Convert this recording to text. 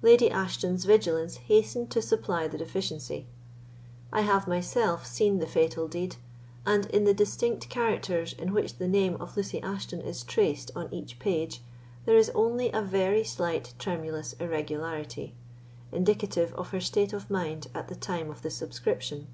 Lady Ashton's vigilance hastened to supply the deficiency. I have myself seen the fatal deed, and in the distinct characters in which the name of Lucy Ashton is traced on each page there is only a very slight tremulous irregularity, indicative of her state of mind at the time of the subscription.